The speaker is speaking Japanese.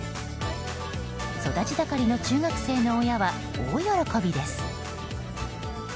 育ちざかりの中学生の親は大喜びです。